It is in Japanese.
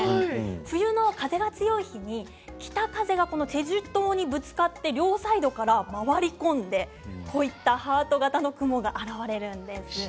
冬の風が強い日に北風がチェジュ島にぶつかって両サイドから回り込んでこういったハート形の雲が現れるんです。